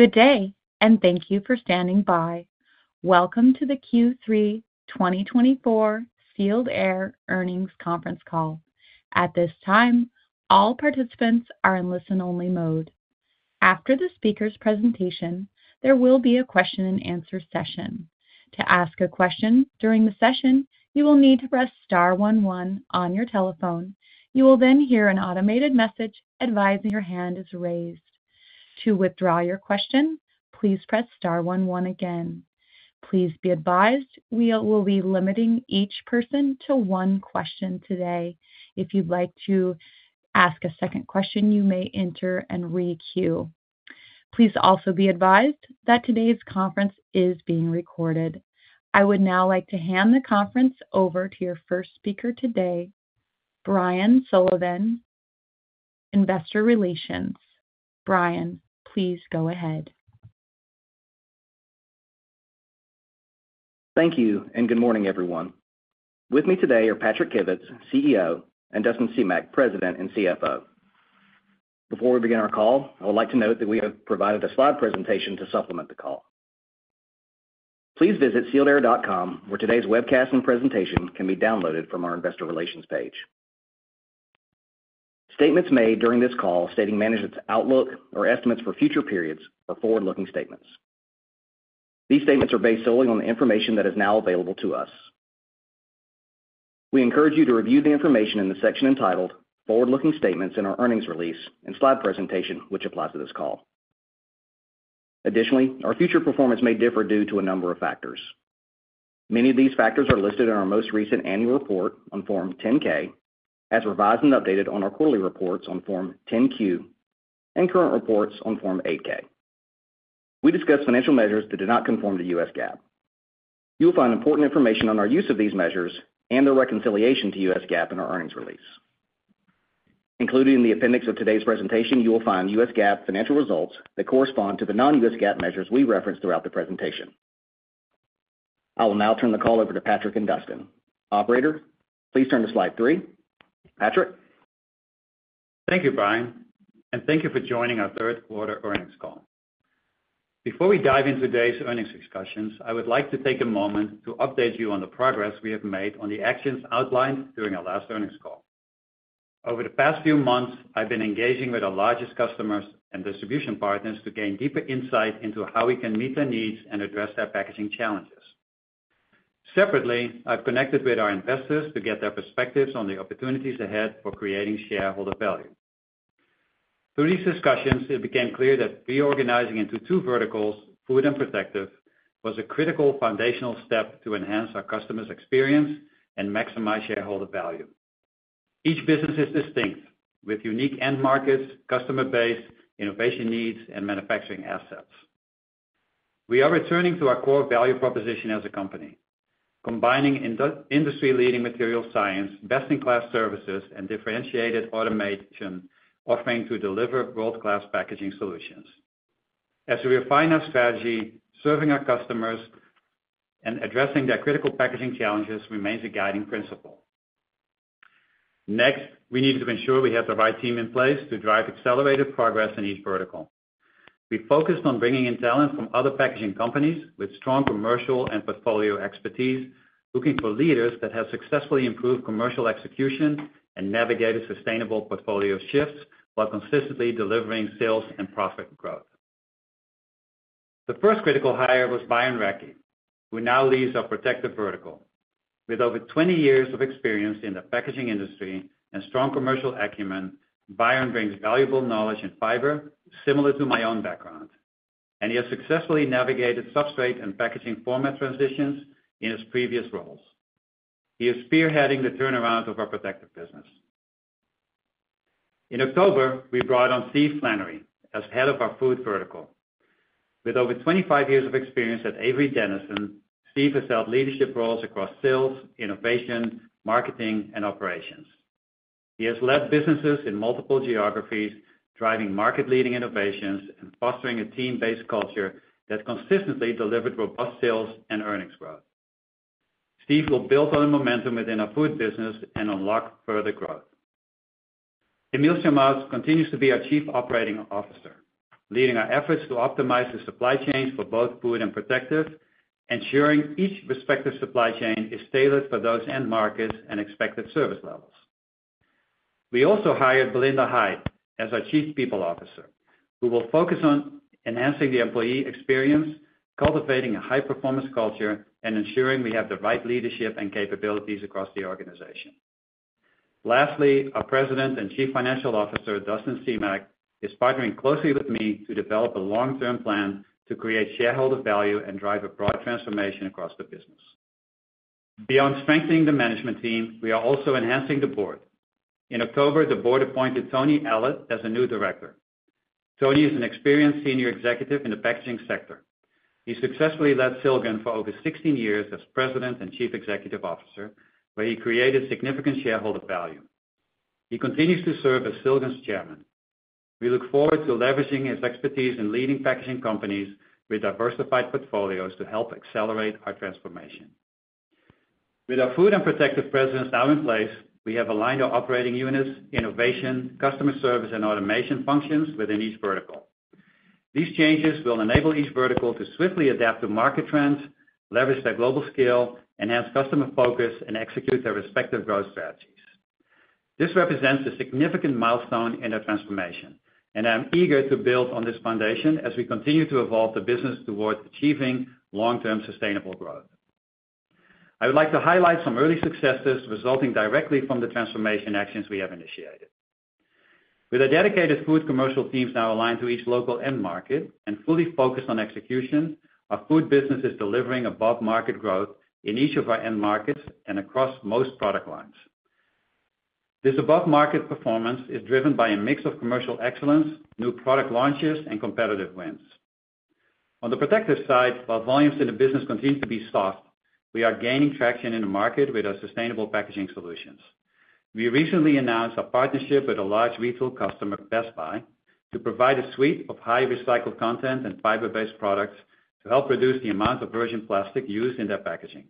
Good day, and thank you for standing by. Welcome to the Q3 2024 Sealed Air earnings conference call. At this time, all participants are in listen-only mode. After the speaker's presentation, there will be a question-and-answer session. To ask a question during the session, you will need to press star one one on your telephone. You will then hear an automated message advising your hand is raised. To withdraw your question, please press star one one again. Please be advised we will be limiting each person to one question today. If you'd like to ask a second question, you may enter and re-queue. Please also be advised that today's conference is being recorded. I would now like to hand the conference over to your first speaker today, Brian Sullivan, Investor Relations. Brian, please go ahead. Thank you, and good morning, everyone. With me today are Patrick Kivits, CEO, and Dustin Semach, President and CFO. Before we begin our call, I would like to note that we have provided a slide presentation to supplement the call. Please visit sealedair.com, where today's webcast and presentation can be downloaded from our Investor Relations page. Statements made during this call stating management's outlook or estimates for future periods are forward-looking statements. These statements are based solely on the information that is now available to us. We encourage you to review the information in the section entitled Forward-Looking Statements in our earnings release and slide presentation, which applies to this call. Additionally, our future performance may differ due to a number of factors. Many of these factors are listed in our most recent annual report on Form 10-K, as revised and updated on our quarterly reports on Form 10-Q, and current reports on Form 8-K. We discuss financial measures that do not conform to U.S. GAAP. You will find important information on our use of these measures and their reconciliation to U.S. GAAP in our earnings release. Included in the appendix of today's presentation, you will find U.S. GAAP financial results that correspond to the non-U.S. GAAP measures we referenced throughout the presentation. I will now turn the call over to Patrick and Dustin. Operator, please turn to slide three. Patrick. Thank you, Brian, and thank you for joining our third quarter earnings call. Before we dive into today's earnings discussions, I would like to take a moment to update you on the progress we have made on the actions outlined during our last earnings call. Over the past few months, I've been engaging with our largest customers and distribution partners to gain deeper insight into how we can meet their needs and address their packaging challenges. Separately, I've connected with our investors to get their perspectives on the opportunities ahead for creating shareholder value. Through these discussions, it became clear that reorganizing into two verticals, Food and Protective, was a critical foundational step to enhance our customers' experience and maximize shareholder value. Each business is distinct, with unique end markets, customer base, innovation needs, and manufacturing assets. We are returning to our core value proposition as a company, combining industry-leading material science, best-in-class services, and differentiated automation offering to deliver world-class packaging solutions. As we refine our strategy, serving our customers and addressing their critical packaging challenges remains a guiding principle. Next, we needed to ensure we had the right team in place to drive accelerated progress in each vertical. We focused on bringing in talent from other packaging companies with strong commercial and portfolio expertise, looking for leaders that have successfully improved commercial execution and navigated sustainable portfolio shifts while consistently delivering sales and profit growth. The first critical hire was Brian Racki, who now leads our Protective Vertical. With over 20 years of experience in the packaging industry and strong commercial acumen, Brian brings valuable knowledge in fiber, similar to my own background, and he has successfully navigated substrate and packaging format transitions in his previous roles. He is spearheading the turnaround of our Protective business. In October, we brought on Steve Flannery as head of our Food Vertical. With over 25 years of experience at Avery Dennison, Steve has held leadership roles across sales, innovation, marketing, and operations. He has led businesses in multiple geographies, driving market-leading innovations and fostering a team-based culture that consistently delivered robust sales and earnings growth. Steve will build on the momentum within our Food business and unlock further growth. Emile Chammas continues to be our chief operating officer, leading our efforts to optimize the supply chains for both Food and Protective, ensuring each respective supply chain is tailored for those end markets and expected service levels. We also hired Belinda Hyde as our chief people officer, who will focus on enhancing the employee experience, cultivating a high-performance culture, and ensuring we have the right leadership and capabilities across the organization. Lastly, our President and Chief Financial Officer, Dustin Semach, is partnering closely with me to develop a long-term plan to create shareholder value and drive a broad transformation across the business. Beyond strengthening the management team, we are also enhancing the Board. In October, the Board appointed Tony Allott as a new director. Tony is an experienced Senior Executive in the packaging sector. He successfully led Silgan for over 16 years as president and chief executive officer, where he created significant shareholder value. He continues to serve as Silgan's chairman. We look forward to leveraging his expertise in leading packaging companies with diversified portfolios to help accelerate our transformation. With our Food and Protective presence now in place, we have aligned our operating units, innovation, customer service, and automation functions within each vertical. These changes will enable each vertical to swiftly adapt to market trends, leverage their global scale, enhance customer focus, and execute their respective growth strategies. This represents a significant milestone in our transformation, and I'm eager to build on this foundation as we continue to evolve the business towards achieving long-term sustainable growth. I would like to highlight some early successes resulting directly from the transformation actions we have initiated. With our dedicated Food commercial teams now aligned to each local end market and fully focused on execution, our Food business is delivering above-market growth in each of our end markets and across most product lines. This above-market performance is driven by a mix of commercial excellence, new product launches, and competitive wins. On the Protective side, while volumes in the business continue to be soft, we are gaining traction in the market with our sustainable packaging solutions. We recently announced our partnership with a large retail customer, Best Buy, to provide a suite of high-recycled content and fiber-based products to help reduce the amount of virgin plastic used in their packaging.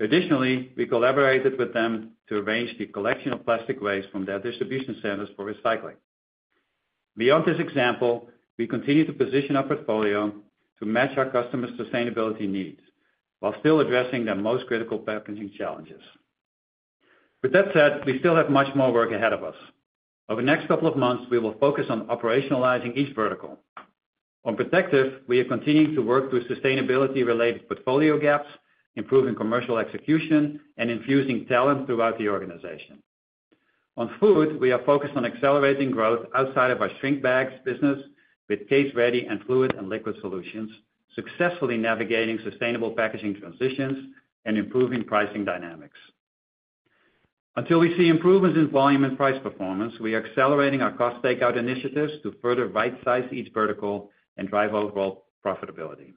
Additionally, we collaborated with them to arrange the collection of plastic waste from their distribution centers for recycling. Beyond this example, we continue to position our portfolio to match our customers' sustainability needs while still addressing their most critical packaging challenges. With that said, we still have much more work ahead of us. Over the next couple of months, we will focus on operationalizing each vertical. On Protective, we are continuing to work through sustainability-related portfolio gaps, improving commercial execution, and infusing talent throughout the organization. On Food, we are focused on accelerating growth outside of our shrink bags business with case-ready and fluid and liquid solutions, successfully navigating sustainable packaging transitions and improving pricing dynamics. Until we see improvements in volume and price performance, we are accelerating our cost takeout initiatives to further right-size each vertical and drive overall profitability.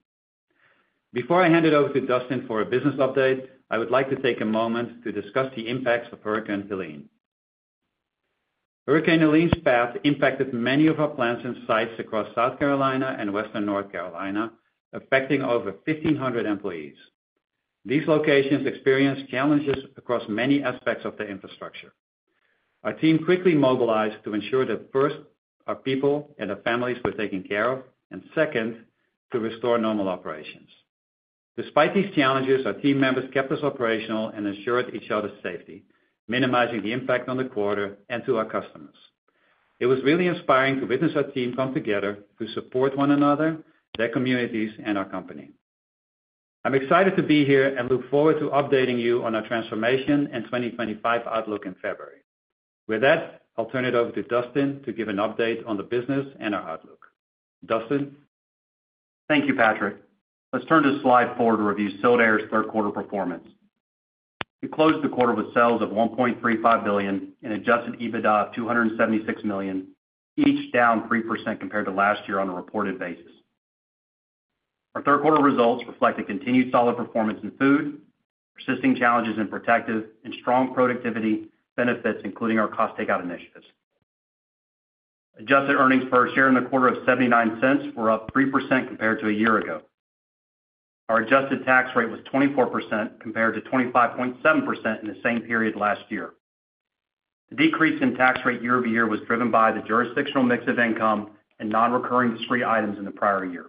Before I hand it over to Dustin for a business update, I would like to take a moment to discuss the impacts of Hurricane Helene. Hurricane Helene's path impacted many of our plants and sites across South Carolina and Western North Carolina, affecting over 1,500 employees. These locations experienced challenges across many aspects of their infrastructure. Our team quickly mobilized to ensure that, first, our people and our families were taken care of, and second, to restore normal operations. Despite these challenges, our team members kept us operational and ensured each other's safety, minimizing the impact on the quarter and to our customers. It was really inspiring to witness our team come together to support one another, their communities, and our company. I'm excited to be here and look forward to updating you on our transformation and 2025 outlook in February. With that, I'll turn it over to Dustin to give an update on the business and our outlook. Dustin. Thank you, Patrick. Let's turn to slide four to review Sealed Air's third quarter performance. We closed the quarter with sales of $1.35 billion and adjusted EBITDA of $276 million, each down 3% compared to last year on a reported basis. Our third quarter results reflect a continued solid performance in Food, persisting challenges in Protective, and strong productivity benefits, including our cost takeout initiatives. Adjusted earnings per share in the quarter of $0.79 were up 3% compared to a year ago. Our adjusted tax rate was 24% compared to 25.7% in the same period last year. The decrease in tax rate year-over-year was driven by the jurisdictional mix of income and non-recurring discrete items in the prior year.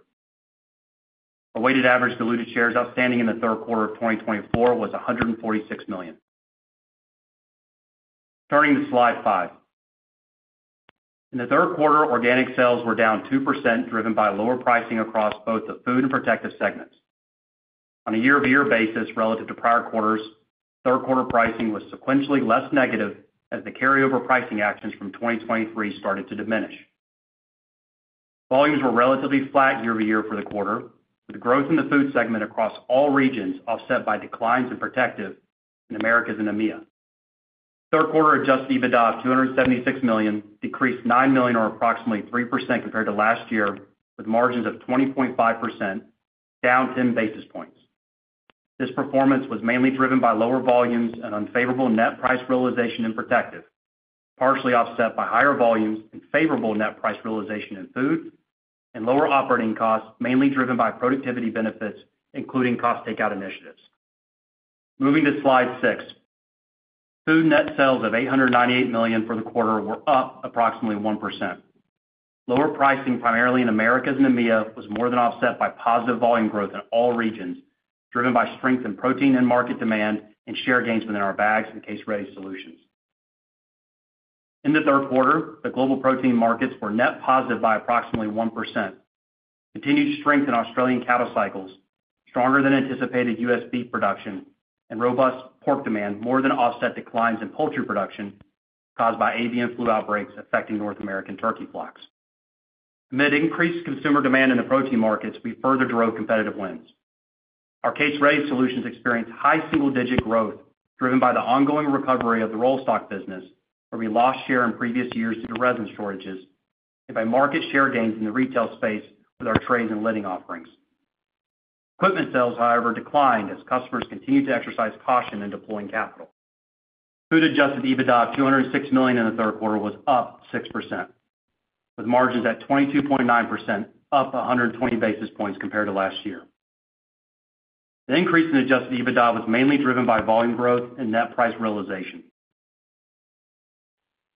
Our weighted average diluted shares outstanding in the third quarter of 2024 was 146 million. Turning to slide five. In the third quarter, organic sales were down 2%, driven by lower pricing across both the Food and Protective segments. On a year-over-year basis relative to prior quarters, third quarter pricing was sequentially less negative as the carryover pricing actions from 2023 started to diminish. Volumes were relatively flat year-over-year for the quarter, with growth in the Food segment across all regions offset by declines in Protective in Americas and EMEA. Third quarter adjusted EBITDA of $276 million decreased $9 million or approximately 3% compared to last year, with margins of 20.5%, down 10 basis points. This performance was mainly driven by lower volumes and unfavorable net price realization in Protective, partially offset by higher volumes and favorable net price realization in Food, and lower operating costs mainly driven by productivity benefits, including cost takeout initiatives. Moving to slide six. Food net sales of $898 million for the quarter were up approximately 1%. Lower pricing primarily in Americas and EMEA was more than offset by positive volume growth in all regions, driven by strength in protein and market demand and share gains within our bags and case-ready solutions. In the third quarter, the global protein markets were net positive by approximately 1%. Continued strength in Australian cattle cycles, stronger-than-anticipated U.S. beef production, and robust pork demand more than offset declines in poultry production caused by avian flu outbreaks affecting North American turkey flocks. Amid increased consumer demand in the protein markets, we further drove competitive wins. Our case-ready solutions experienced high single-digit growth driven by the ongoing recovery of the roll stock business, where we lost share in previous years due to resin shortages, and by market share gains in the retail space with our trays and lidding offerings. Equipment sales, however, declined as customers continued to exercise caution in deploying capital. Food adjusted EBITDA of $206 million in the third quarter was up 6%, with margins at 22.9%, up 120 basis points compared to last year. The increase in adjusted EBITDA was mainly driven by volume growth and net price realization.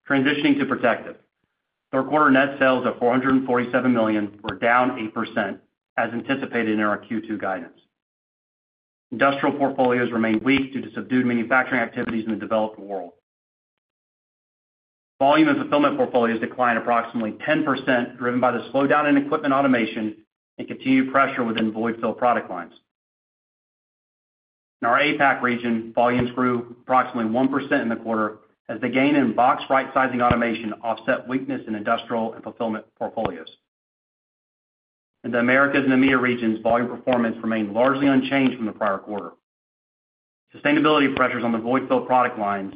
Transitioning to Protective, third quarter net sales of $447 million were down 8%, as anticipated in our Q2 guidance. Industrial portfolios remained weak due to subdued manufacturing activities in the developed world. Volume and fulfillment portfolios declined approximately 10%, driven by the slowdown in equipment automation and continued pressure within void-fill product lines. In our APAC region, volumes grew approximately 1% in the quarter as the gain in box right-sizing automation offset weakness in industrial and fulfillment portfolios. In the Americas and EMEA regions, volume performance remained largely unchanged from the prior quarter. Sustainability pressures on the void-fill product lines,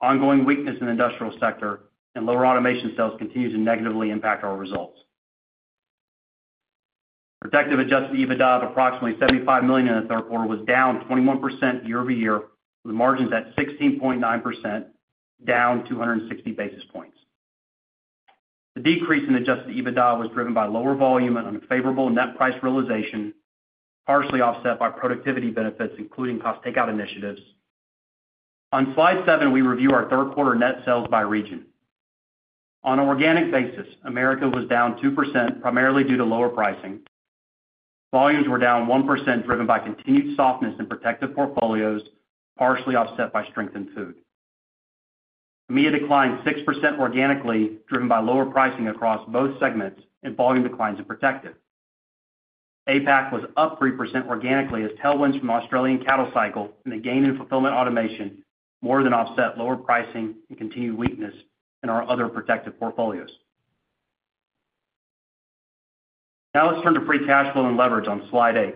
ongoing weakness in the industrial sector, and lower automation sales continue to negatively impact our results. Protective adjusted EBITDA of approximately $75 million in the third quarter was down 21% year-over-year, with margins at 16.9%, down 260 basis points. The decrease in adjusted EBITDA was driven by lower volume and unfavorable net price realization, partially offset by productivity benefits, including cost takeout initiatives. On slide seven, we review our third quarter net sales by region. On an organic basis, America was down 2%, primarily due to lower pricing. Volumes were down 1%, driven by continued softness in Protective portfolios, partially offset by strength in Food. EMEA declined 6% organically, driven by lower pricing across both segments and volume declines in Protective. APAC was up 3% organically as tailwinds from Australian cattle cycle and the gain in fulfillment automation more than offset lower pricing and continued weakness in our other Protective portfolios. Now let's turn to free cash flow and leverage on slide eight.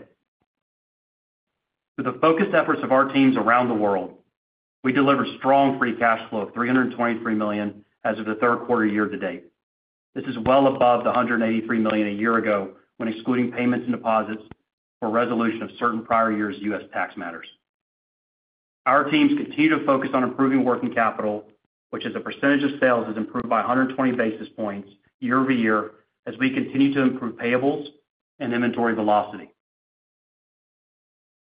With the focused efforts of our teams around the world, we delivered strong free cash flow of $323 million as of the third quarter year-to-date. This is well above the $183 million a year ago when excluding payments and deposits for resolution of certain prior year's U.S. tax matters. Our teams continue to focus on improving working capital, which is a percentage of sales that's improved by 120 basis points year-over-year as we continue to improve payables and inventory velocity.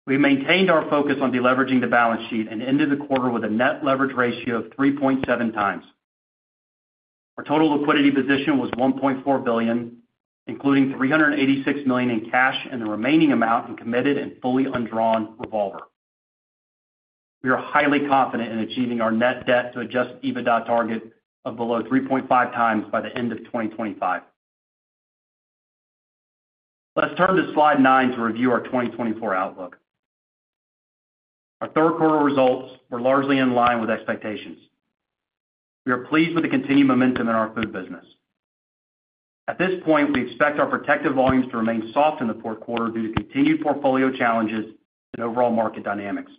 We maintained our focus on deleveraging the balance sheet and ended the quarter with a net leverage ratio of 3.7x. Our total liquidity position was $1.4 billion, including $386 million in cash and the remaining amount in committed and fully undrawn revolver. We are highly confident in achieving our net debt-to-adjusted EBITDA target of below 3.5x by the end of 2025. Let's turn to slide nine to review our 2024 outlook. Our third quarter results were largely in line with expectations. We are pleased with the continued momentum in our Food business. At this point, we expect our Protective volumes to remain soft in the fourth quarter due to continued portfolio challenges and overall market dynamics.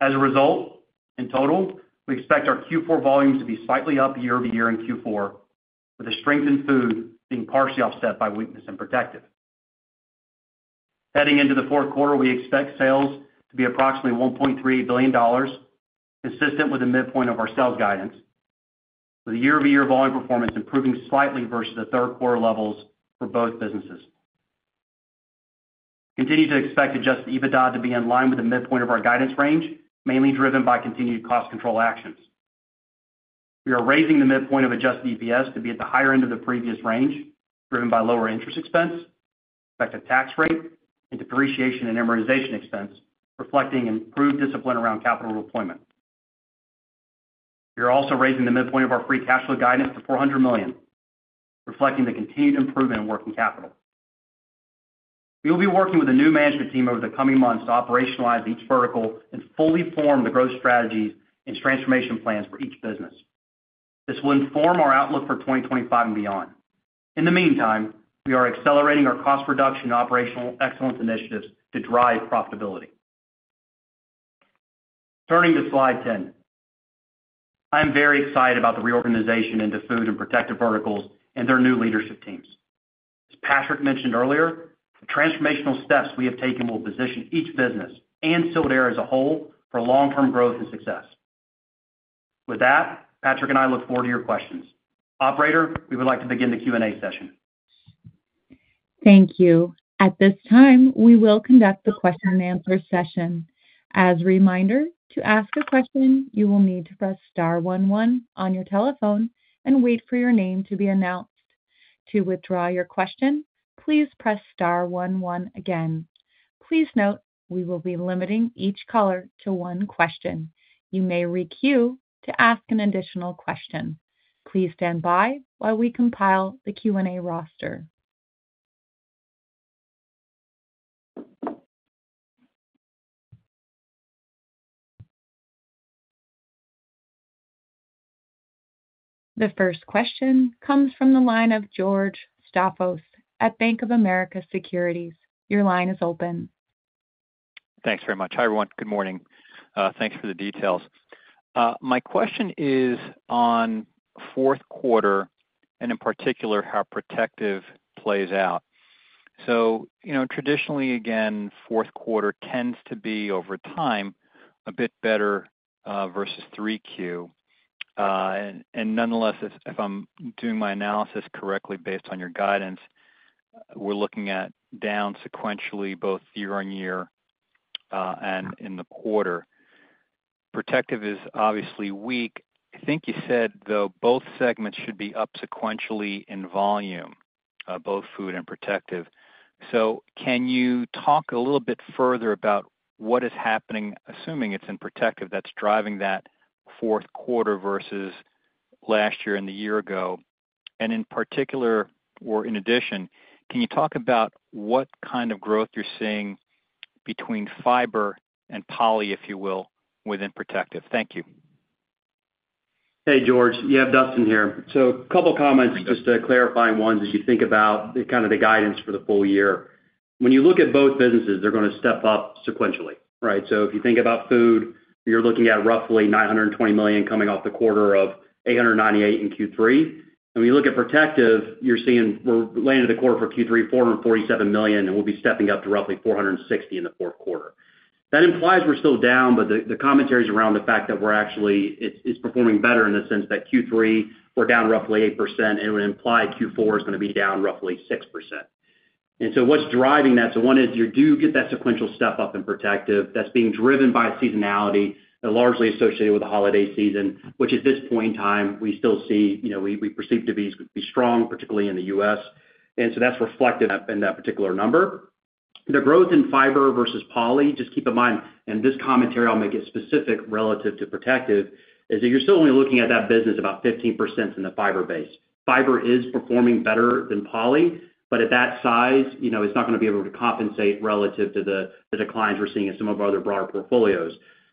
As a result, in total, we expect our Q4 volumes to be slightly up year-over-year in Q4, with the strength in Food being partially offset by weakness in Protective. Heading into the fourth quarter, we expect sales to be approximately $1.38 billion, consistent with the midpoint of our sales guidance, with the year-over-year volume performance improving slightly versus the third quarter levels for both businesses. We continue to expect adjusted EBITDA to be in line with the midpoint of our guidance range, mainly driven by continued cost control actions. We are raising the midpoint of adjusted EPS to be at the higher end of the previous range, driven by lower interest expense, effective tax rate, and depreciation and amortization expense, reflecting improved discipline around capital deployment. We are also raising the midpoint of our free cash flow guidance to $400 million, reflecting the continued improvement in working capital. We will be working with a new management team over the coming months to operationalize each vertical and fully form the growth strategies and transformation plans for each business. This will inform our outlook for 2025 and beyond. In the meantime, we are accelerating our cost reduction and operational excellence initiatives to drive profitability. Turning to slide 10, I am very excited about the reorganization into Food and Protective verticals and their new leadership teams. As Patrick mentioned earlier, the transformational steps we have taken will position each business and Sealed Air as a whole for long-term growth and success. With that, Patrick and I look forward to your questions. Operator, we would like to begin the Q&A session. Thank you. At this time, we will conduct the question-and-answer session. As a reminder, to ask a question, you will need to press star one one on your telephone and wait for your name to be announced. To withdraw your question, please press star one one again. Please note we will be limiting each caller to one question. You may re-queue to ask an additional question. Please stand by while we compile the Q&A roster. The first question comes from the line of George Staphos at Bank of America Securities. Your line is open. Thanks very much. Hi, everyone. Good morning. Thanks for the details. My question is on fourth quarter, and in particular, how Protective plays out. So traditionally, again, fourth quarter tends to be, over time, a bit better versus Q3. And nonetheless, if I'm doing my analysis correctly based on your guidance, we're looking at down sequentially both year-on-year and in the quarter. Protective is obviously weak. I think you said, though, both segments should be up sequentially in volume, both Food and Protective. So can you talk a little bit further about what is happening, assuming it's in Protective, that's driving that fourth quarter versus last year and the year ago? And in particular, or in addition, can you talk about what kind of growth you're seeing between fiber and poly, if you will, within Protective? Thank you. Hey, George. Yeah, Dustin here. So a couple of comments, just clarifying ones as you think about kind of the guidance for the full year. When you look at both businesses, they're going to step up sequentially, right? So if you think about Food, you're looking at roughly $920 million coming off the quarter of $898 in Q3. And when you look at Protective, you're seeing we're late into the quarter for Q3, $447 million, and we'll be stepping up to roughly $460 in the fourth quarter. That implies we're still down, but the commentary is around the fact that we're actually performing better in the sense that Q3, we're down roughly 8%, and it would imply Q4 is going to be down roughly 6%. And so what's driving that? So one is you do get that sequential step up in Protective that's being driven by seasonality and largely associated with the holiday season, which at this point in time, we still see we perceive to be strong, particularly in the U.S. And so that's reflective in that particular number. The growth in fiber versus poly, just keep in mind, and this commentary I'll make it specific relative to Protective, is that you're still only looking at that business about 15% in the fiber base. Fiber is performing better than poly, but at that size, it's not going to be able to compensate relative to the declines we're seeing in some of our other broader portfolios.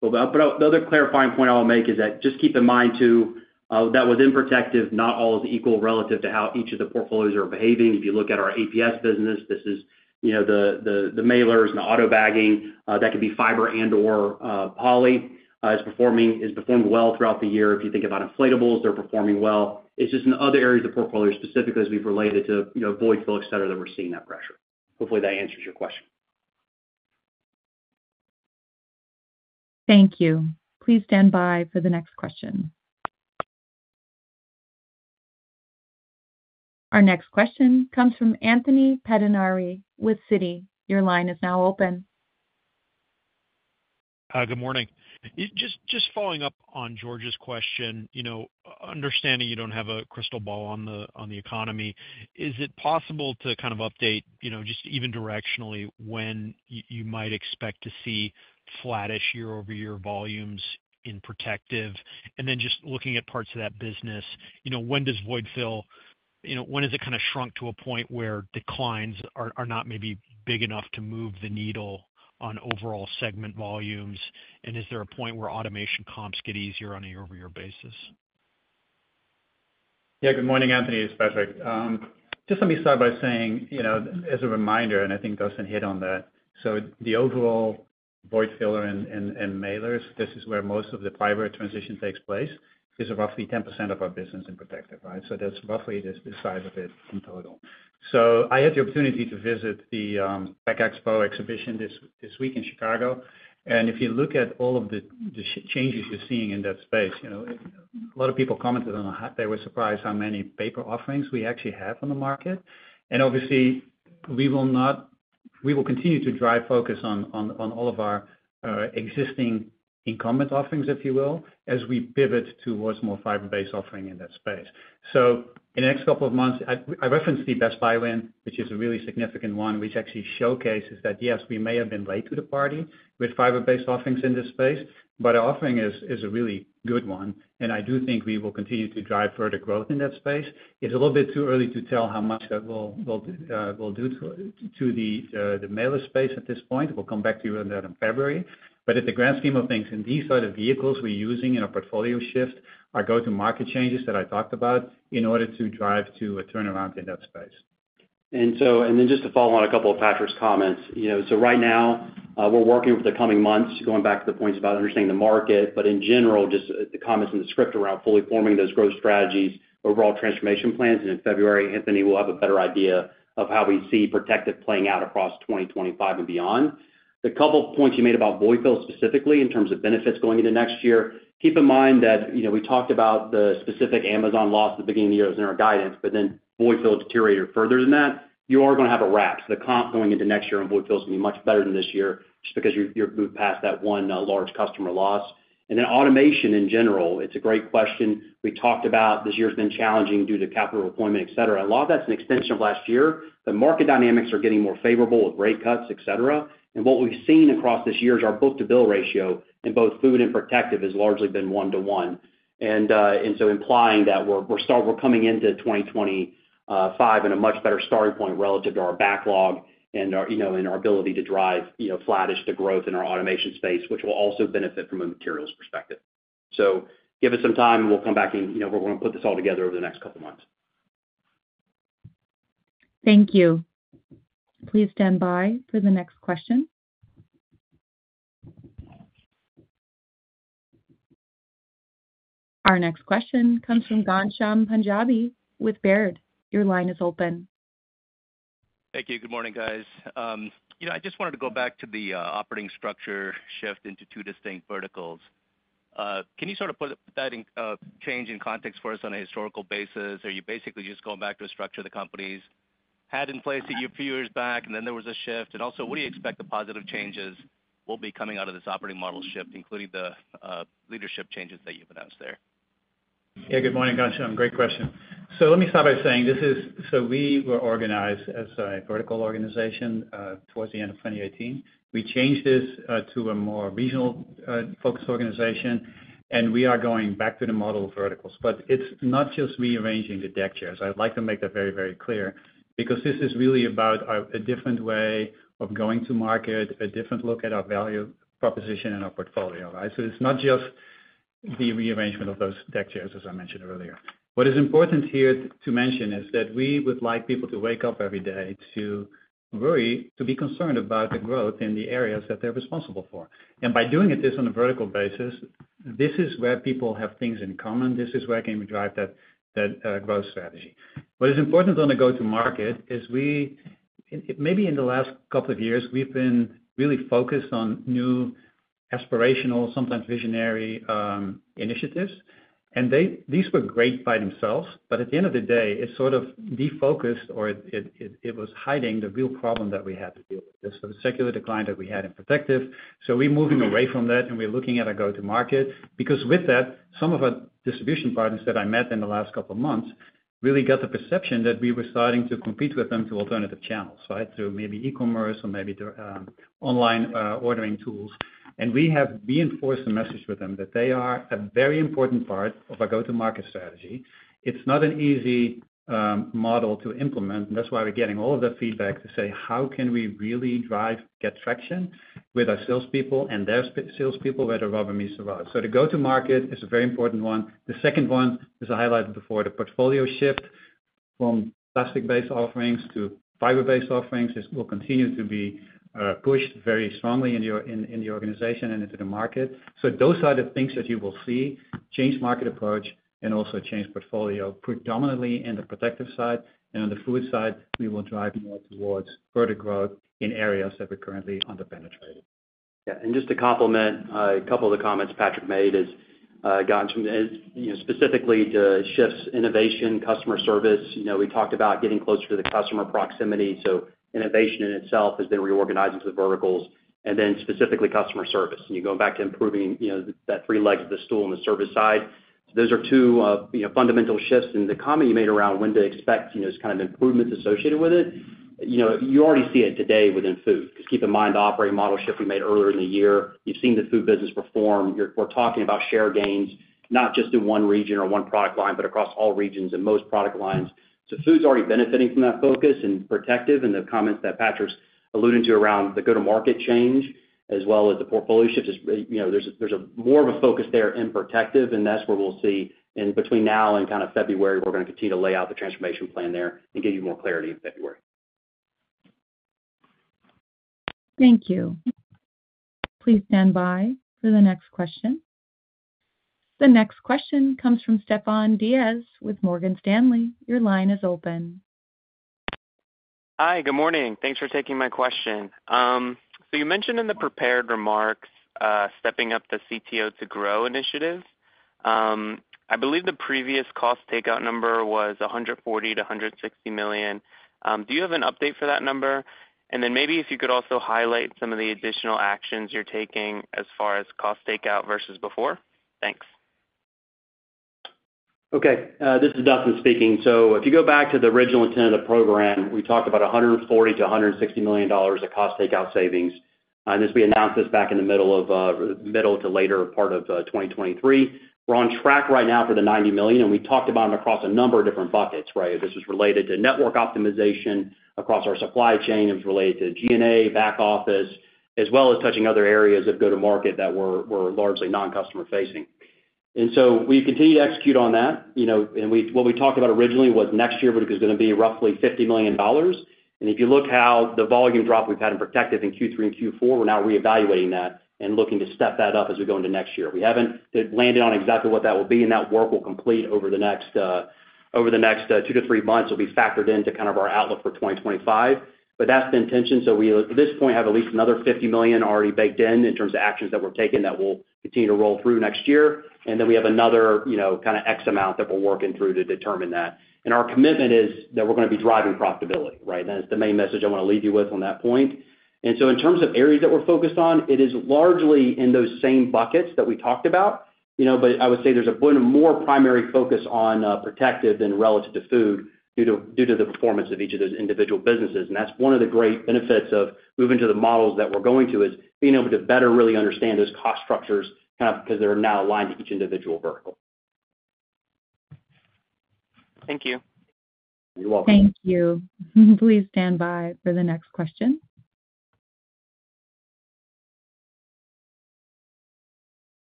But the other clarifying point I'll make is that just keep in mind, too, that within Protective, not all is equal relative to how each of the portfolios are behaving. If you look at our APS business, this is the mailers and the auto bagging. That could be fiber and/or poly. It's performed well throughout the year. If you think about inflatables, they're performing well. It's just in other areas of the portfolio, specifically as it relates to void-fill, etc., that we're seeing that pressure. Hopefully, that answers your question. Thank you. Please stand by for the next question. Our next question comes from Anthony Pettinari with Citi. Your line is now open. Good morning. Just following up on George's question, understanding you don't have a crystal ball on the economy, is it possible to kind of update just even directionally when you might expect to see flattish year-over-year volumes in Protective? And then just looking at parts of that business, when does void-fill, when has it kind of shrunk to a point where declines are not maybe big enough to move the needle on overall segment volumes? And is there a point where automation comps get easier on a year-over-year basis? Yeah, good morning, Anthony it's Patrick. Just let me start by saying, as a reminder, and I think Dustin hit on that. The overall void-fill and mailers, this is where most of the fiber transition takes place, is roughly 10% of our business in Protective, right? That's roughly the size of it in total. I had the opportunity to visit the Pack Expo exhibition this week in Chicago. If you look at all of the changes you're seeing in that space, a lot of people commented on they were surprised how many paper offerings we actually have on the market. Obviously, we will continue to drive focus on all of our existing incumbent offerings, if you will, as we pivot towards more fiber-based offering in that space. In the next couple of months, I referenced the Best Buy win, which is a really significant one, which actually showcases that, yes, we may have been late to the party with fiber-based offerings in this space, but our offering is a really good one. I do think we will continue to drive further growth in that space. It's a little bit too early to tell how much that will do to the mailer space at this point. We'll come back to you on that in February. At the grand scheme of things, in these sort of vehicles we're using in our portfolio shift, our go-to-market changes that I talked about in order to drive to a turnaround in that space. And then just to follow on a couple of Patrick's comments, so right now, we're working over the coming months, going back to the points about understanding the market, but in general, just the comments in the script around fully forming those growth strategies, overall transformation plans. And in February, Anthony will have a better idea of how we see Protective playing out across 2025 and beyond. The couple of points you made about void-fill specifically in terms of benefits going into next year, keep in mind that we talked about the specific Amazon loss at the beginning of the year as in our guidance, but then void-fill deteriorated further than that. You are going to have a wrap. The comp going into next year on void-fill is going to be much better than this year just because you're moved past that one large customer loss. And then automation in general, it's a great question. We talked about this year has been challenging due to capital deployment, etc. A lot of that's an extension of last year. The market dynamics are getting more favorable with rate cuts, etc. And what we've seen across this year is our book-to-bill ratio in both Food and Protective has largely been one-to-one. And so implying that we're coming into 2025 in a much better starting point relative to our backlog and our ability to drive flattish to growth in our automation space, which will also benefit from a materials perspective. So give us some time, and we'll come back, and we're going to put this all together over the next couple of months. Thank you. Please stand by for the next question. Our next question comes from Ghansham Panjabi with Baird. Your line is open. Thank you. Good morning, guys. I just wanted to go back to the operating structure shift into two distinct verticals. Can you sort of put that change in context for us on a historical basis? Are you basically just going back to a structure the companies had in place a few years back, and then there was a shift? And also, what do you expect the positive changes will be coming out of this operating model shift, including the leadership changes that you've announced there? Yeah, good morning, Ghansham. Great question. So let me start by saying this is so we were organized as a vertical organization towards the end of 2018. We changed this to a more regional-focused organization, and we are going back to the model verticals. But it's not just rearranging the deck chairs. I'd like to make that very, very clear because this is really about a different way of going to market, a different look at our value proposition and our portfolio, right? So it's not just the rearrangement of those deck chairs, as I mentioned earlier. What is important here to mention is that we would like people to wake up every day to worry, to be concerned about the growth in the areas that they're responsible for. And by doing it, this is on a vertical basis. This is where people have things in common. This is where it can drive that growth strategy. What is important on the go-to-market is we maybe in the last couple of years, we've been really focused on new aspirational, sometimes visionary initiatives, and these were great by themselves, but at the end of the day, it sort of defocused or it was hiding the real problem that we had to deal with. This was a secular decline that we had in Protective, so we're moving away from that, and we're looking at our go-to-market because with that, some of our distribution partners that I met in the last couple of months really got the perception that we were starting to compete with them through alternative channels, right? Through maybe e-commerce or maybe online ordering tools, and we have reinforced the message with them that they are a very important part of our go-to-market strategy. It's not an easy model to implement. And that's why we're getting all of the feedback to say, how can we really drive, get traction with our salespeople and their salespeople, where the rubber meets the road? So the go-to-market is a very important one. The second one is highlighted before the portfolio shift from plastic-based offerings to fiber-based offerings will continue to be pushed very strongly in the organization and into the market. So those are the things that you will see: change market approach and also change portfolio, predominantly in the Protective side. And on the Food side, we will drive more towards further growth in areas that we're currently underpenetrated. Yeah. And just to complement a couple of the comments Patrick made, we're getting specifically to shifts, innovation, customer service. We talked about getting closer to the customer proximity. So innovation in itself has been reorganized into the verticals. And then specifically customer service. And you go back to improving that three legs of the stool on the service side. So those are two fundamental shifts. And the comment you made around when to expect these kind of improvements associated with it, you already see it today within Food because keep in mind the operating model shift we made earlier in the year. You've seen the Food business perform. We're talking about share gains, not just in one region or one product line, but across all regions and most product lines. So Food's already benefiting from that focus in Protective. And the comments that Patrick's alluding to around the go-to-market change, as well as the portfolio shift, there's more of a focus there in Protective. That's where we'll see in between now and kind of February, we're going to continue to lay out the transformation plan there and give you more clarity in February. Thank you. Please stand by for the next question. The next question comes from Stefan Diaz with Morgan Stanley. Your line is open. Hi, good morning. Thanks for taking my question. So you mentioned in the prepared remarks stepping up the CTO to Grow initiative. I believe the previous cost takeout number was $140 million-$160 million. Do you have an update for that number? And then maybe if you could also highlight some of the additional actions you're taking as far as cost takeout versus before. Thanks. Okay. This is Dustin speaking. So if you go back to the original intent of the program, we talked about $140 million-$160 million of cost takeout savings. And we announced this back in the middle to later part of 2023. We're on track right now for the $90 million. And we talked about them across a number of different buckets, right? This was related to network optimization across our supply chain. It was related to G&A back office, as well as touching other areas of go-to-market that were largely non-customer-facing. And so we continue to execute on that. And what we talked about originally was next year is going to be roughly $50 million. And if you look how the volume drop we've had in Protective in Q3 and Q4, we're now reevaluating that and looking to step that up as we go into next year. We haven't landed on exactly what that will be, and that work will complete over the next two to three months. It'll be factored into kind of our outlook for 2025. But that's the intention. So we, at this point, have at least another $50 million already baked in in terms of actions that we're taking that will continue to roll through next year. And then we have another kind of X amount that we're working through to determine that. And our commitment is that we're going to be driving profitability, right? That's the main message I want to leave you with on that point. And so in terms of areas that we're focused on, it is largely in those same buckets that we talked about. But I would say there's a bit more primary focus on Protective than relative to Food due to the performance of each of those individual businesses. And that's one of the great benefits of moving to the models that we're going to is being able to better really understand those cost structures kind of because they're now aligned to each individual vertical. Thank you. You're welcome. Thank you. Please stand by for the next question.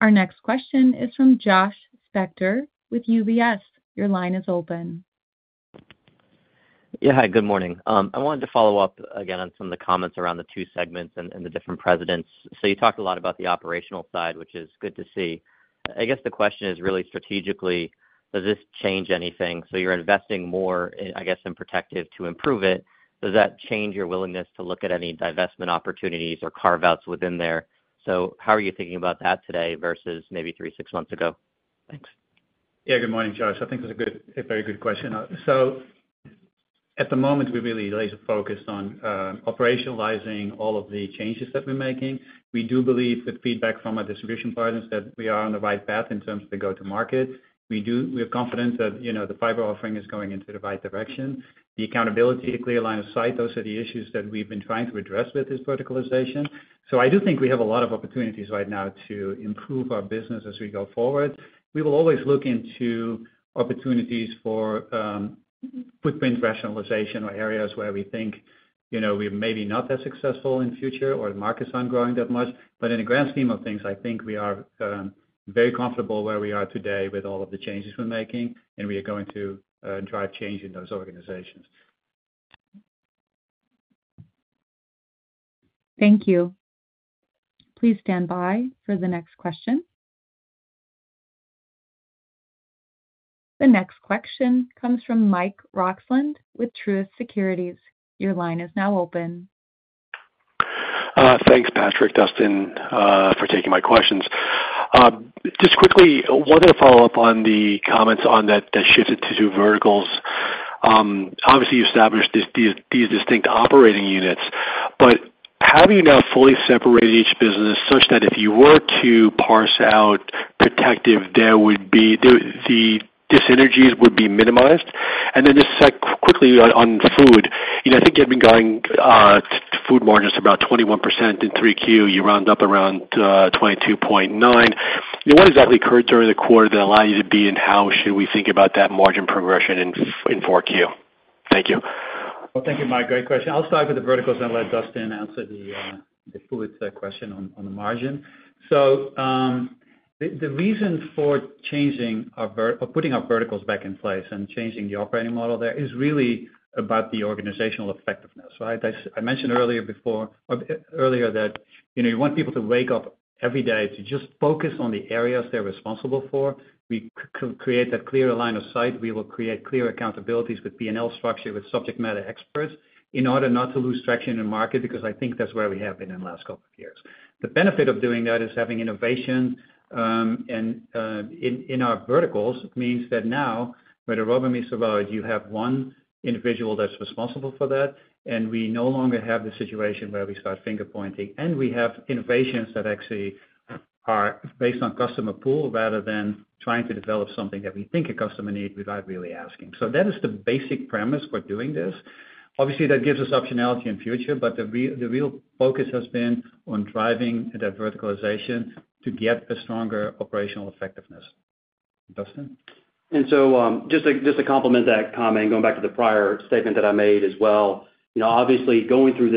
Our next question is from Josh Spector with UBS. Your line is open. Yeah, hi, good morning. I wanted to follow up again on some of the comments around the two segments and the different Presidents. So you talked a lot about the operational side, which is good to see. I guess the question is really strategically, does this change anything? So you're investing more, I guess, in Protective to improve it. Does that change your willingness to look at any divestment opportunities or carve-outs within there? So how are you thinking about that today versus maybe three, six months ago? Thanks. Yeah, good morning, Josh. I think it's a very good question. So at the moment, we really laser-focused on operationalizing all of the changes that we're making. We do believe the feedback from our distribution partners that we are on the right path in terms of the go-to-market. We are confident that the fiber offering is going into the right direction. The accountability, a clear line of sight, those are the issues that we've been trying to address with this verticalization. So I do think we have a lot of opportunities right now to improve our business as we go forward. We will always look into opportunities for footprint rationalization or areas where we think we're maybe not that successful in the future or the market's not growing that much. But in the grand scheme of things, I think we are very comfortable where we are today with all of the changes we're making, and we are going to drive change in those organizations. Thank you. Please stand by for the next question. The next question comes from Mike Roxland with Truist Securities. Your line is now open. Thanks, Patrick, Dustin, for taking my questions. Just quickly, I wanted to follow up on the comments on that shifted to two verticals. Obviously, you established these distinct operating units, but how do you now fully separate each business such that if you were to parse out Protective, the synergies would be minimized? And then just quickly on Food, I think you had been guiding Food margins to about 21% in 3Q. You came in around 22.9%. What exactly occurred during the quarter that allowed you to beat? How should we think about that margin progression in 4Q? Thank you. Thank you, Mike. Great question. I'll start with the verticals and let Dustin answer the fluid question on the margin. So the reason for changing or putting our verticals back in place and changing the operating model there is really about the organizational effectiveness, right? I mentioned earlier that you want people to wake up every day to just focus on the areas they're responsible for. We create that clear line of sight. We will create clear accountabilities with P&L structure, with subject matter experts in order not to lose traction in the market because I think that's where we have been in the last couple of years. The benefit of doing that is having innovation. And in our verticals, it means that now, whether rubber meets the road, you have one individual that's responsible for that, and we no longer have the situation where we start finger-pointing. We have innovations that actually are based on customer pool rather than trying to develop something that we think a customer needs without really asking. So that is the basic premise for doing this. Obviously, that gives us optionality in the future, but the real focus has been on driving that verticalization to get a stronger operational effectiveness. Dustin? So just to complement that comment, going back to the prior statement that I made as well, obviously, going through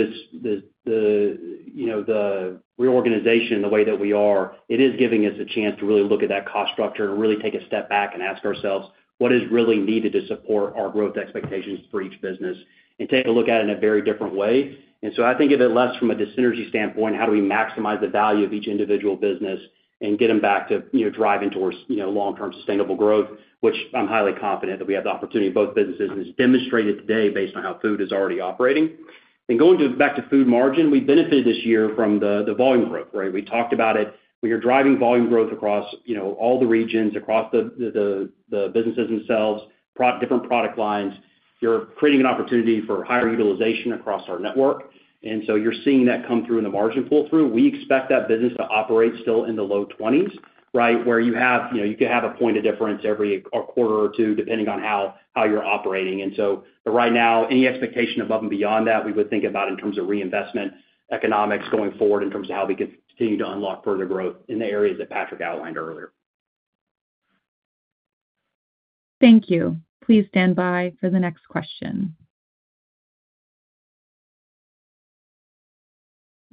the reorganization in the way that we are, it is giving us a chance to really look at that cost structure and really take a step back and ask ourselves, what is really needed to support our growth expectations for each business and take a look at it in a very different way? So I think of it less from a synergy standpoint. How do we maximize the value of each individual business and get them back to drive into long-term sustainable growth, which I'm highly confident that we have the opportunity in both businesses and it's demonstrated today based on how Food is already operating. And going back to Food margin, we benefited this year from the volume growth, right? We talked about it. When you're driving volume growth across all the regions, across the businesses themselves, different product lines, you're creating an opportunity for higher utilization across our network. And so you're seeing that come through in the margin pull-through. We expect that business to operate still in the low 20s, right, where you could have a point of difference every quarter or two depending on how you're operating. And so right now, any expectation above and beyond that, we would think about in terms of reinvestment economics going forward in terms of how we can continue to unlock further growth in the areas that Patrick outlined earlier. Thank you. Please stand by for the next question.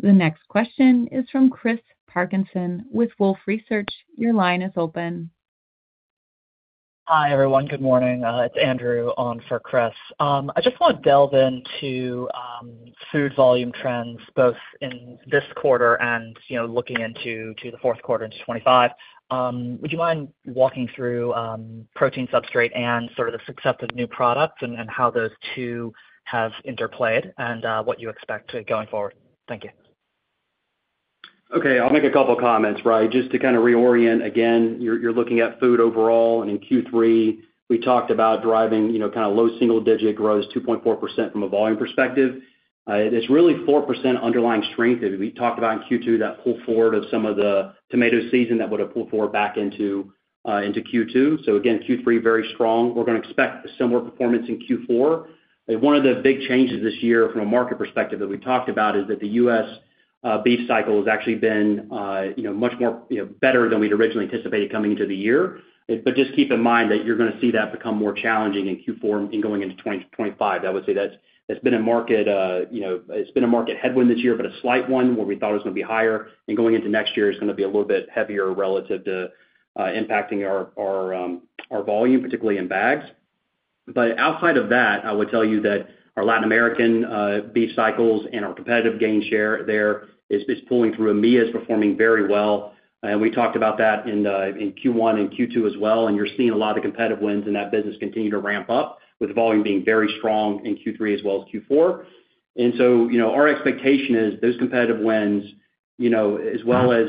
The next question is from Chris Parkinson with Wolfe Research. Your line is open. Hi everyone. Good morning. It's Andrew on for Chris. I just want to delve into Food volume trends both in this quarter and looking into the fourth quarter into 2025. Would you mind walking through protein substrate and sort of the success of new products and how those two have interplayed and what you expect going forward? Thank you. Okay. I'll make a couple of comments, right? Just to kind of reorient. Again, you're looking at Food overall. In Q3, we talked about driving kind of low single-digit growth, 2.4% from a volume perspective. It's really 4% underlying strength that we talked about in Q2, that pull forward of some of the tomato season that would have pulled forward back into Q2. Again, Q3 very strong. We're going to expect similar performance in Q4. One of the big changes this year from a market perspective that we talked about is that the U.S. beef cycle has actually been much better than we'd originally anticipated coming into the year. Just keep in mind that you're going to see that become more challenging in Q4 and going into 2025. I would say that's been a market headwind this year, but a slight one where we thought it was going to be higher. Going into next year, it's going to be a little bit heavier relative to impacting our volume, particularly in bags. Outside of that, I would tell you that our Latin American beef cycles and our competitive share gains there are pulling through. EMEA is performing very well. We talked about that in Q1 and Q2 as well. You're seeing a lot of the competitive wins in that business continue to ramp up with volume being very strong in Q3 as well as Q4. Our expectation is those competitive wins, as well as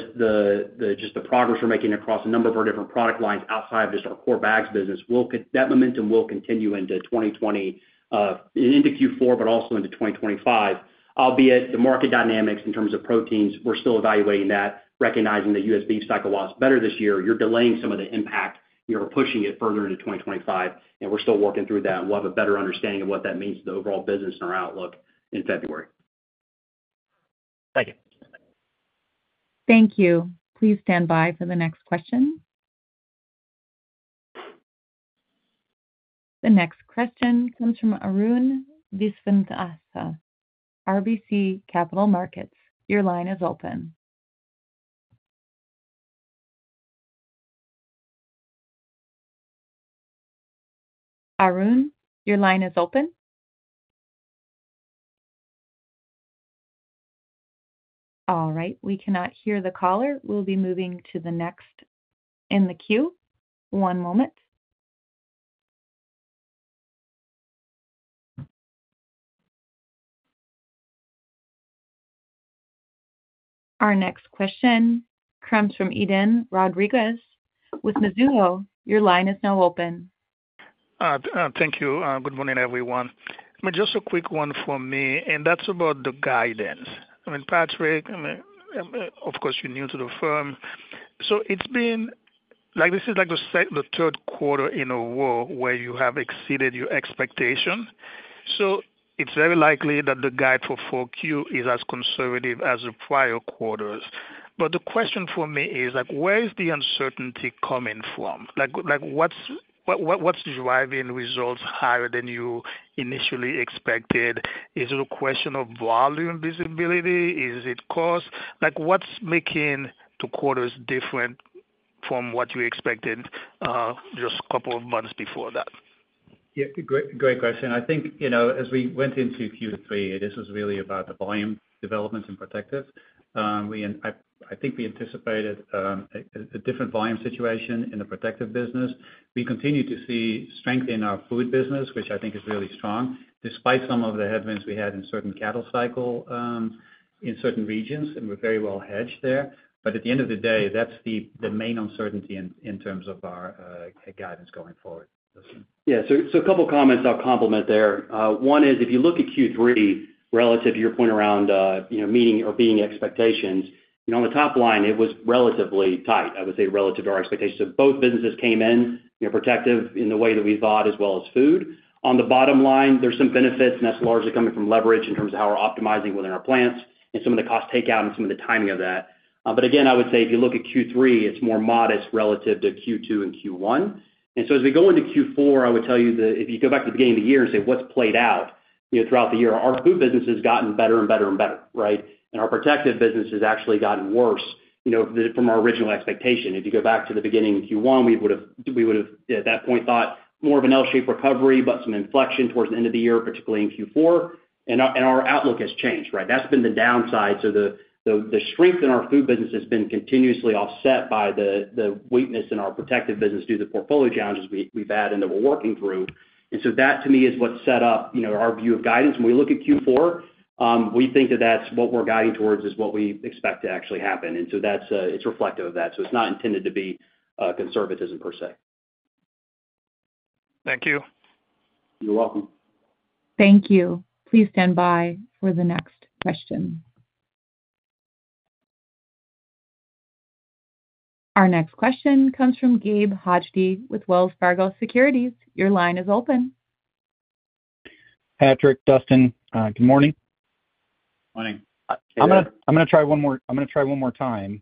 just the progress we're making across a number of our different product lines outside of just our core bags business. That momentum will continue into 2020, into Q4, but also into 2025. Albeit the market dynamics in terms of proteins, we're still evaluating that, recognizing that U.S. beef cycle looks better this year. You're delaying some of the impact. You're pushing it further into 2025, and we're still working through that. We'll have a better understanding of what that means to the overall business and our outlook in February. Thank you. Thank you. Please stand by for the next question. The next question comes from Arun Viswanathan, RBC Capital Markets. Your line is open. Arun, your line is open. All right. We cannot hear the caller. We'll be moving to the next in the queue. One moment. Our next question comes from Edlain Rodriguez with Mizuho. Your line is now open. Thank you. Good morning, everyone. Just a quick one for me, and that's about the guidance. I mean, Patrick, of course, you're new to the firm. So this is like the third quarter in a row where you have exceeded your expectation. So it's very likely that the guide for 4Q is as conservative as the prior quarters. But the question for me is, where is the uncertainty coming from? What's driving results higher than you initially expected? Is it a question of volume visibility? Is it cost? What's making the quarters different from what you expected just a couple of months before that? Yeah, great question. I think as we went into Q3, this was really about the volume developments in Protective. I think we anticipated a different volume situation in the Protective business. We continue to see strength in our Food business, which I think is really strong, despite some of the headwinds we had in certain cattle cycle in certain regions, and we're very well hedged there. But at the end of the day, that's the main uncertainty in terms of our guidance going forward. Yeah. So a couple of comments I'll comment there. One is if you look at Q3 relative to your point around meeting or beating expectations, on the top line, it was relatively tight, I would say, relative to our expectations. So both businesses came in, Protective, in the way that we thought, as well as Food. On the bottom line, there's some benefits, and that's largely coming from leverage in terms of how we're optimizing within our plants and some of the cost takeout and some of the timing of that. But again, I would say if you look at Q3, it's more modest relative to Q2 and Q1. And so as we go into Q4, I would tell you that if you go back to the beginning of the year and say, what's played out throughout the year, our Food business has gotten better and better and better, right? And our Protective business has actually gotten worse from our original expectation. If you go back to the beginning of Q1, we would have at that point thought more of an L-shaped recovery, but some inflection towards the end of the year, particularly in Q4. And our outlook has changed, right? That's been the downside. So the strength in our Food business has been continuously offset by the weakness in our Protective business due to the portfolio challenges we've had and that we're working through. And so that, to me, is what set up our view of guidance. When we look at Q4, we think that that's what we're guiding towards is what we expect to actually happen. And so it's reflective of that. So it's not intended to be conservatism per se. Thank you. You're welcome. Thank you. Please stand by for the next question. Our next question comes from Gabe Hajde with Wells Fargo Securities. Your line is open. Patrick, Dustin, good morning. Morning. I'm going to try one more time.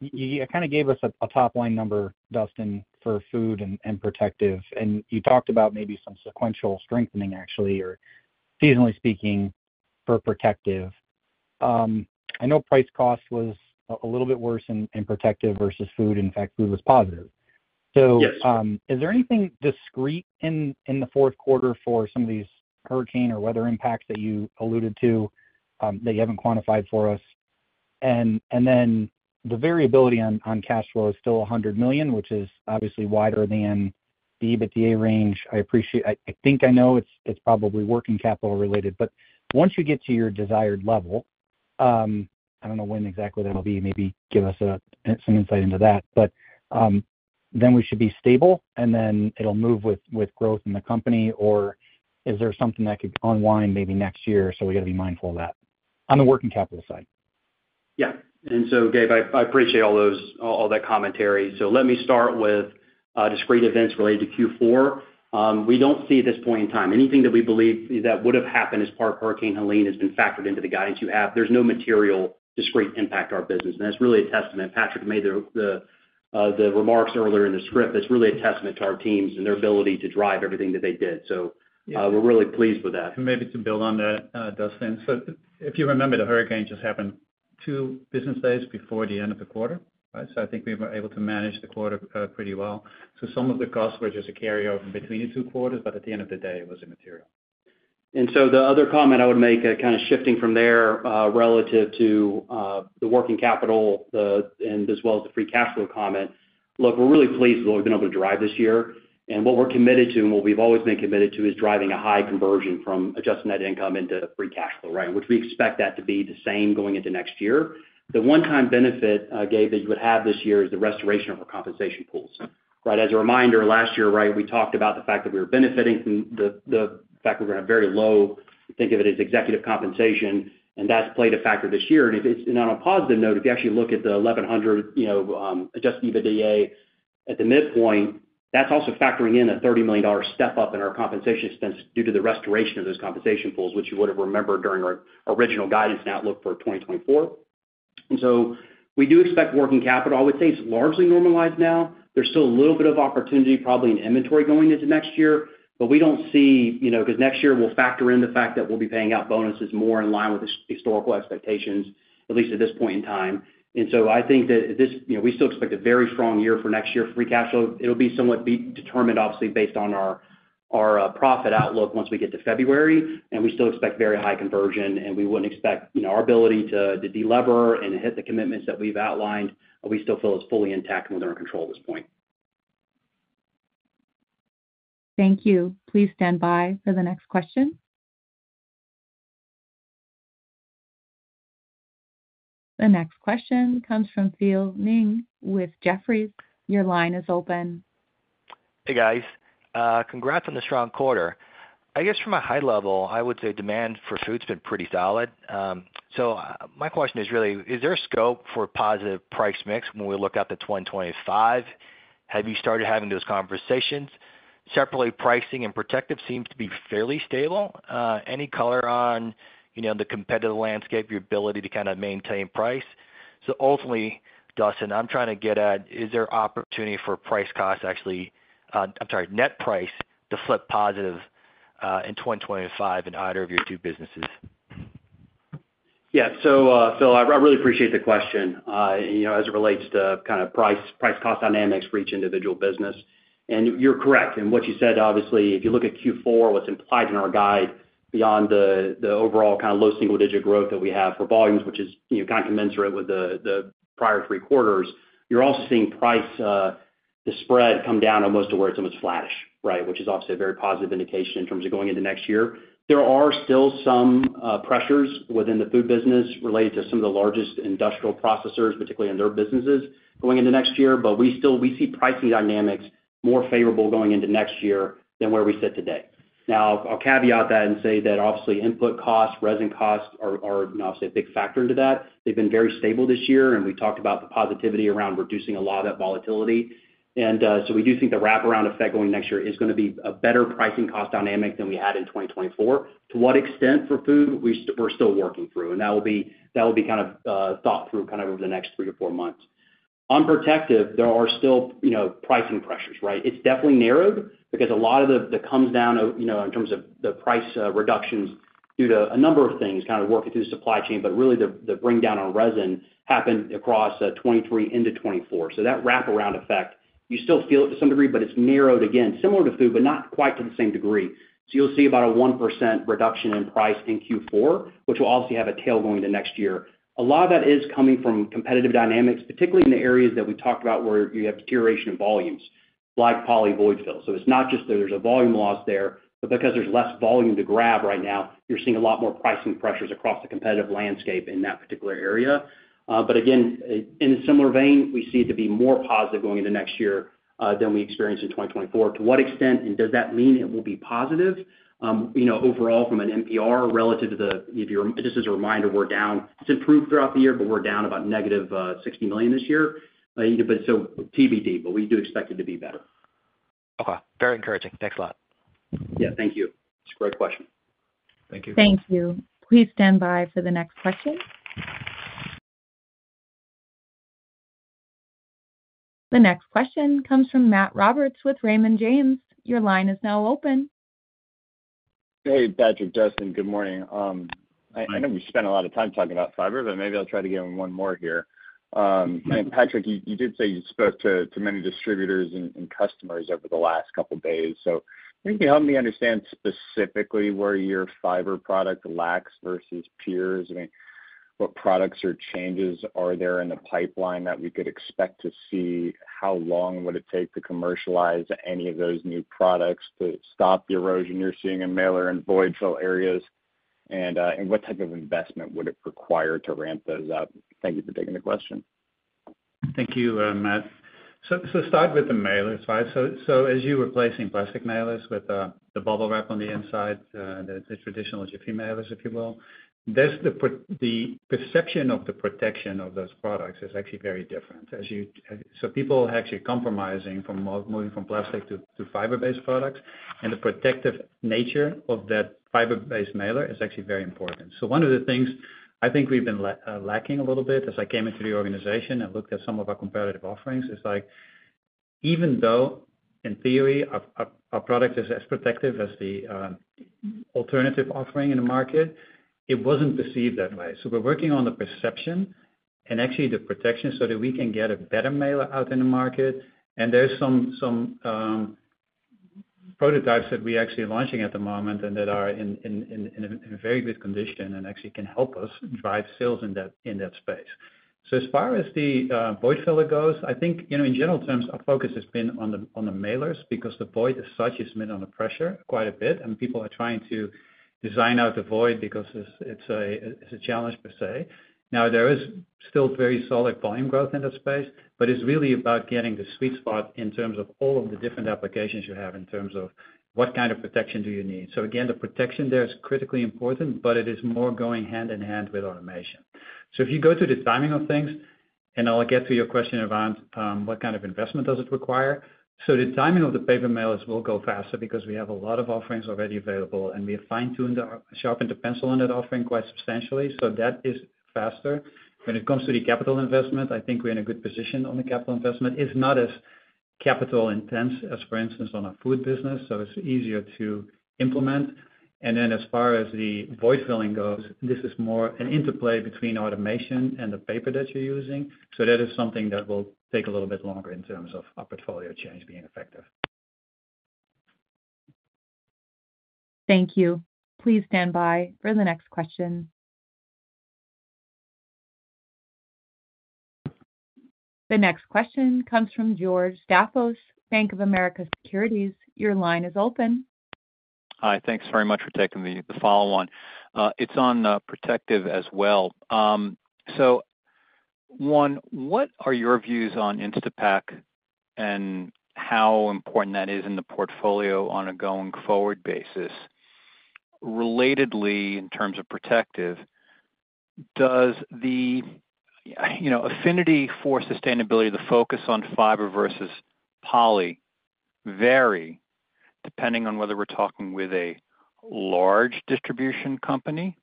You kind of gave us a top-line number, Dustin, for Food and Protective, and you talked about maybe some sequential strengthening, actually, or seasonally speaking for Protective. I know price cost was a little bit worse in Protective versus Food. In fact, Food was positive, so is there anything discrete in the fourth quarter for some of these hurricane or weather impacts that you alluded to that you haven't quantified for us, and then the variability on cash flow is still $100 million, which is obviously wider than the EBITDA range. I think I know it's probably working capital related, but once you get to your desired level, I don't know when exactly that'll be. Maybe give us some insight into that, but then we should be stable, and then it'll move with growth in the company. Or is there something that could unwind maybe next year? So we got to be mindful of that on the working capital side. Yeah. And so, Gabe, I appreciate all that commentary. So let me start with discrete events related to Q4. We don't see at this point in time anything that we believe that would have happened as part of Hurricane Helene has been factored into the guidance you have. There's no material discrete impact to our business. And that's really a testament. Patrick made the remarks earlier in the script. That's really a testament to our teams and their ability to drive everything that they did. So we're really pleased with that. And maybe to build on that, Dustin, so if you remember, the hurricane just happened two business days before the end of the quarter, right? So I think we were able to manage the quarter pretty well. So some of the costs were just a carryover between the two quarters, but at the end of the day, it was immaterial. And so the other comment I would make, kind of shifting from there relative to the working capital and as well as the free cash flow comment. Look, we're really pleased with what we've been able to drive this year. And what we're committed to, and what we've always been committed to, is driving a high conversion from adjusted net income into free cash flow, right? Which we expect that to be the same going into next year. The one-time benefit, Gabe, that you would have this year is the restoration of our compensation pools, right? As a reminder, last year, right, we talked about the fact that we were benefiting from the fact we were in a very low, think of it as executive compensation, and that's played a factor this year. And on a positive note, if you actually look at the 1,100 adjusted EBITDA at the midpoint, that's also factoring in a $30 million step up in our compensation expense due to the restoration of those compensation pools, which you would have remembered during our original guidance and outlook for 2024. And so we do expect working capital, I would say, is largely normalized now. There's still a little bit of opportunity, probably in inventory going into next year, but we don't see because next year we'll factor in the fact that we'll be paying out bonuses more in line with historical expectations, at least at this point in time. And so I think that we still expect a very strong year for next year for free cash flow. It'll be somewhat determined, obviously, based on our profit outlook once we get to February. We still expect very high conversion, and we wouldn't expect our ability to delever and hit the commitments that we've outlined. We still feel it's fully intact and within our control at this point. Thank you. Please stand by for the next question. The next question comes from Phil Ng with Jefferies. Your line is open. Hey, guys. Congrats on the strong quarter. I guess from a high level, I would say demand for Food has been pretty solid. So my question is really, is there a scope for a positive price mix when we look at the 2025? Have you started having those conversations? Separately, pricing and Protective seems to be fairly stable. Any color on the competitive landscape, your ability to kind of maintain price? So ultimately, Dustin, I'm trying to get at, is there opportunity for price costs actually, I'm sorry, net price, to flip positive in 2025 in either of your two businesses? Yeah. So I really appreciate the question as it relates to kind of price cost dynamics for each individual business. And you're correct. And what you said, obviously, if you look at Q4, what's implied in our guide beyond the overall kind of low single-digit growth that we have for volumes, which is kind of commensurate with the prior three quarters, you're also seeing price, the spread come down almost to where it's almost flattish, right? Which is obviously a very positive indication in terms of going into next year. There are still some pressures within the Food business related to some of the largest industrial processors, particularly in their businesses, going into next year. But we see pricing dynamics more favorable going into next year than where we sit today. Now, I'll caveat that and say that obviously input costs, resin costs are obviously a big factor into that. They've been very stable this year, and we talked about the positivity around reducing a lot of that volatility, and so we do think the wraparound effect going next year is going to be a better pricing cost dynamic than we had in 2024. To what extent for Food we're still working through, and that will be kind of thought through kind of over the next three to four months. On Protective, there are still pricing pressures, right? It's definitely narrowed because a lot of it comes down in terms of the price reductions due to a number of things kind of working through the supply chain, but really the bringing down on resin happened across 2023 into 2024. So that wraparound effect, you still feel it to some degree, but it's narrowed again, similar to Food, but not quite to the same degree. So you'll see about a 1% reduction in price in Q4, which will obviously have a tail going into next year. A lot of that is coming from competitive dynamics, particularly in the areas that we talked about where you have deterioration in volumes, like poly void fill. So it's not just that there's a volume loss there, but because there's less volume to grab right now, you're seeing a lot more pricing pressures across the competitive landscape in that particular area. But again, in a similar vein, we see it to be more positive going into next year than we experienced in 2024. To what extent, and does that mean it will be positive overall from an NPR relative to the, just as a reminder, we're down. It's improved throughout the year, but we're down about -$60 million this year. But so TBD, but we do expect it to be better. Okay. Very encouraging. Thanks a lot. Yeah. Thank you. It's a great question. Thank you. Thank you. Please stand by for the next question. The next question comes from Matt Roberts with Raymond James. Your line is now open. Hey, Patrick, Dustin, good morning. I know we spent a lot of time talking about fiber, but maybe I'll try to get one more here. Patrick, you did say you spoke to many distributors and customers over the last couple of days. So can you help me understand specifically where your fiber product lacks versus peers? I mean, what products or changes are there in the pipeline that we could expect to see? How long would it take to commercialize any of those new products to stop the erosion you're seeing in mailer and void fill areas? And what type of investment would it require to ramp those up? Thank you for taking the question. Thank you, Matt. So start with the mailer side. So as you were placing plastic mailers with the Bubble Wrap on the inside, the traditional Jiffy Mailers, if you will, the perception of the protection of those products is actually very different. So people are actually compromising from moving from plastic to fiber-based products. And the Protective nature of that fiber-based mailer is actually very important. So one of the things I think we've been lacking a little bit as I came into the organization and looked at some of our competitive offerings is like even though in theory, our product is as Protective as the alternative offering in the market, it wasn't perceived that way. So we're working on the perception and actually the protection so that we can get a better mailer out in the market. And there's some prototypes that we're actually launching at the moment and that are in very good condition and actually can help us drive sales in that space. So as far as the void filler goes, I think in general terms, our focus has been on the mailers because the void as such has been under pressure quite a bit. And people are trying to design out the void because it's a challenge per se. Now, there is still very solid volume growth in that space, but it's really about getting the sweet spot in terms of all of the different applications you have in terms of what kind of protection do you need. So again, the protection there is critically important, but it is more going hand in hand with automation. So if you go to the timing of things, and I'll get to your question around what kind of investment does it require. So the timing of the paper mailers will go faster because we have a lot of offerings already available, and we have fine-tuned or sharpened the pencil on that offering quite substantially. So that is faster. When it comes to the capital investment, I think we're in a good position on the capital investment. It's not as capital-intensive as, for instance, on our Food business. So it's easier to implement. And then as far as the void filling goes, this is more an interplay between automation and the paper that you're using. So that is something that will take a little bit longer in terms of our portfolio change being effective. Thank you. Please stand by for the next question. The next question comes from George Staphos, Bank of America Securities. Your line is open. Hi. Thanks very much for taking the follow-on. It's on Protective as well. So one, what are your views on Instapak and how important that is in the portfolio on a going forward basis? Relatedly, in terms of Protective, does the affinity for sustainability, the focus on fiber versus poly vary depending on whether we're talking with a large distribution company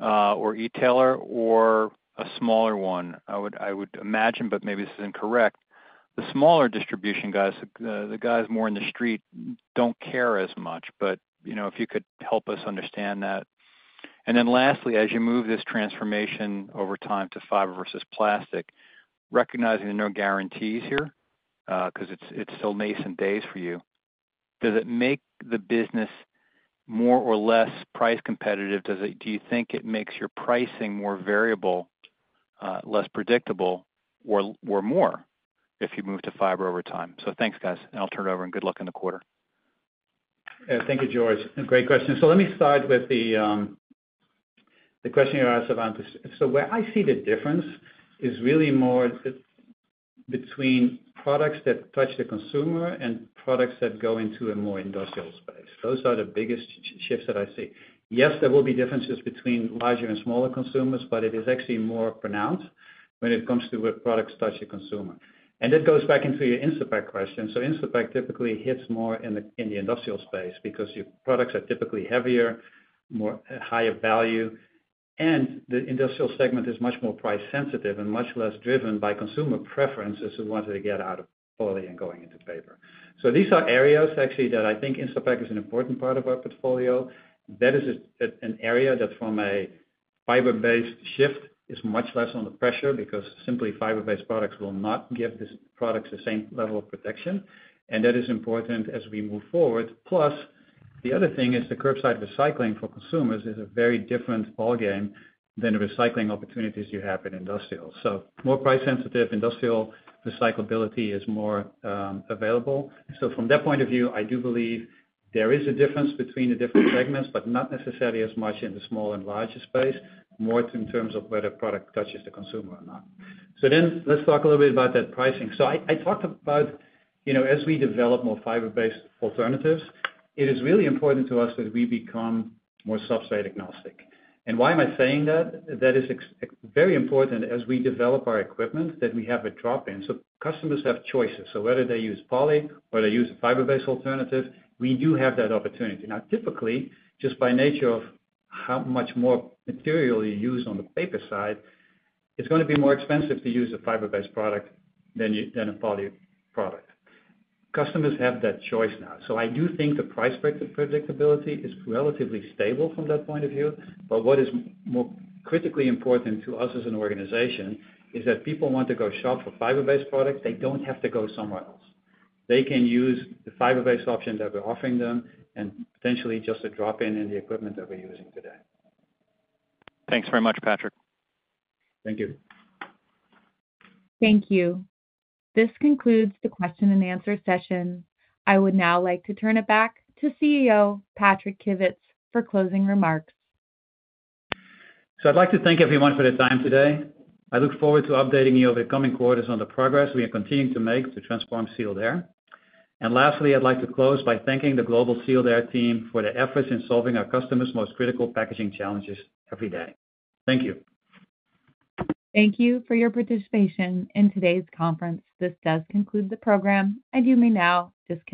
or retailer or a smaller one? I would imagine, but maybe this is incorrect, the smaller distribution guys, the guys more in the street don't care as much. But if you could help us understand that. And then lastly, as you move this transformation over time to fiber versus plastic, recognizing there are no guarantees here because it's still nascent days for you, does it make the business more or less price competitive? Do you think it makes your pricing more variable, less predictable, or more if you move to fiber over time? So, thanks, guys. And I'll turn it over, and good luck in the quarter. Thank you, George. Great question, so let me start with the question you asked about, so where I see the difference is really more between products that touch the consumer and products that go into a more industrial space. Those are the biggest shifts that I see. Yes, there will be differences between larger and smaller consumers, but it is actually more pronounced when it comes to where products touch the consumer, and that goes back into your Instapak question, so Instapak typically hits more in the industrial space because your products are typically heavier, more higher value, and the industrial segment is much more price-sensitive and much less driven by consumer preferences who wanted to get out of poly and going into paper, so these are areas actually that I think Instapak is an important part of our portfolio. That is an area that from a fiber-based shift is much less under pressure because simply fiber-based products will not give these products the same level of protection, and that is important as we move forward, plus the other thing is the curbside recycling for consumers is a very different ballgame than the recycling opportunities you have in industrial, so more price-sensitive, industrial recyclability is more available, so from that point of view, I do believe there is a difference between the different segments, but not necessarily as much in the small and larger space, more in terms of whether product touches the consumer or not, so then let's talk a little bit about that pricing, so I talked about as we develop more fiber-based alternatives, it is really important to us that we become more substrate agnostic, and why am I saying that? That is very important as we develop our equipment that we have a drop-in. So customers have choices. So whether they use poly or they use a fiber-based alternative, we do have that opportunity. Now, typically, just by nature of how much more material you use on the paper side, it's going to be more expensive to use a fiber-based product than a poly product. Customers have that choice now. So I do think the price predictability is relatively stable from that point of view. But what is more critically important to us as an organization is that people want to go shop for fiber-based products. They don't have to go somewhere else. They can use the fiber-based option that we're offering them and potentially just a drop-in in the equipment that we're using today. Thanks very much, Patrick. Thank you. Thank you. This concludes the question and answer session. I would now like to turn it back to CEO Patrick Kivits for closing remarks. I'd like to thank everyone for their time today. I look forward to updating you over the coming quarters on the progress we are continuing to make to transform Sealed Air. Lastly, I'd like to close by thanking the global Sealed Air team for their efforts in solving our customers' most critical packaging challenges every day. Thank you. Thank you for your participation in today's conference. This does conclude the program, and you may now disconnect.